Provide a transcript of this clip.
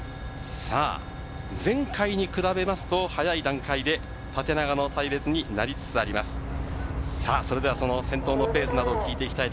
前回に比べますと早い段階で縦長の隊列になりつつあります。